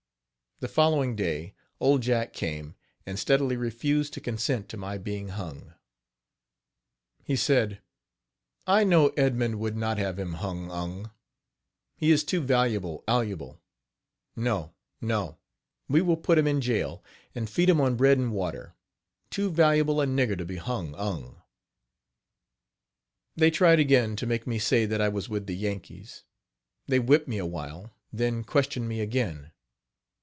The following day, Old Jack came, and steadily refused to consent to my being hung. He said: "I know Edmund would not have him hung ung. He is too valuable aluable. No, no! we will put him in jail and feed him on bread and water too valuable a nigger to be hung ung." They tried again to make me say that I was with the Yankees. They whipped me a while, then questioned me again.